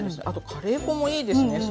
あとカレー粉もいいですね